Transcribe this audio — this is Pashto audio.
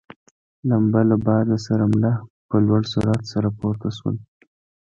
لمبه له باده سره مله په لوړ سرعت سره پورته شول.